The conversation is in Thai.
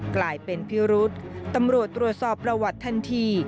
กลายเป็นพิรุษตำรวจตรวจสอบประวัติทันที